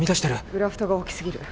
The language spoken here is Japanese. グラフトが大きすぎる。